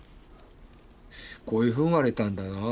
こういうふうに割れたんだな。